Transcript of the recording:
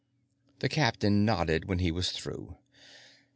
The captain nodded when he was through.